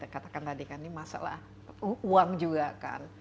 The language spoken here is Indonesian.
katakan tadi kan ini masalah uang juga kan